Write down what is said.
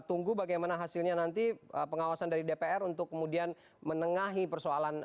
tunggu bagaimana hasilnya nanti pengawasan dari dpr untuk kemudian menengahi persoalan